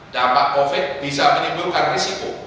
dampak covid bisa menimbulkan risiko